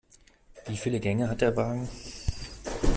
Wieviele Gänge hat der Wagen?